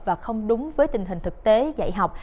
và không đúng với tình hình thực tế dạy học